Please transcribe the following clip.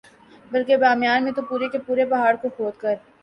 بلکہ بامیان میں تو پورے کے پورے پہاڑ کو کھود کر